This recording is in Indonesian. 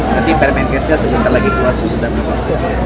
nanti permengkesnya sebentar lagi keluar susu dan minuman